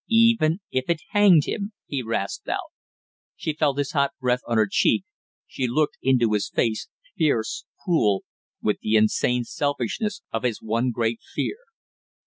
"Even if it hanged him?" he rasped out. She felt his hot breath on her cheek; she looked into his face, fierce, cruel, with the insane selfishness of his one great fear.